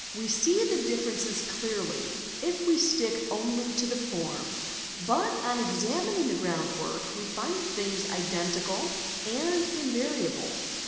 We see the differences clearly, if we stick only to the form ; but on examining the groundwork we find things — identical and invariable.